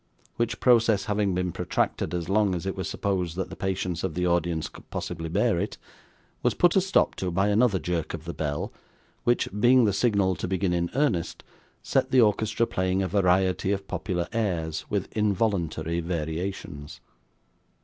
Which process having been protracted as long as it was supposed that the patience of the audience could possibly bear it, was put a stop to by another jerk of the bell, which, being the signal to begin in earnest, set the orchestra playing a variety of popular airs, with involuntary variations.